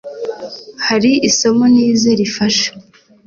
hari isomo nize rifasha